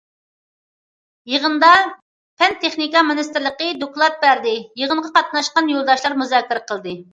يىغىندا پەن- تېخنىكا مىنىستىرلىقى دوكلات بەردى، يىغىنغا قاتناشقان يولداشلار مۇزاكىرە قىلدى.